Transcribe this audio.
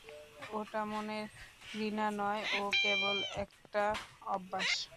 ওটা মনের ঘৃণা নয়, ও কেবল একটা অভ্যাস।